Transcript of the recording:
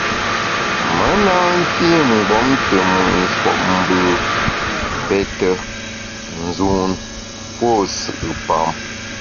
Me na mfi mgbom te mùt nshuopmbù, pète, nzun pô nsù’pam.